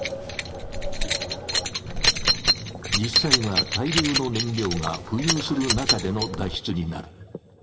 実際は大量の燃料が浮遊する中での脱出になる。